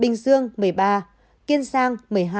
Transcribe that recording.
bình dương một mươi ba kiên giang một mươi hai